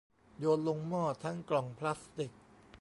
โยนลงหม้อทั้งกล่องพลาสติก